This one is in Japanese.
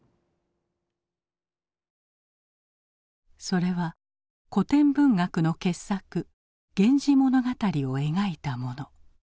それは古典文学の傑作「源氏物語」を描いたもの。